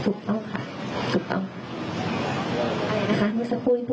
ถูกต้องค่ะถูกต้องนะคะเมื่อสักครู่ด้วยค่ะ